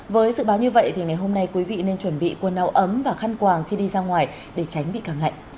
với dự báo như vậy thì ngày hôm nay quý vị nên chuẩn bị quần áo ấm và khăn quàng khi đi ra ngoài để tránh bị càng nặng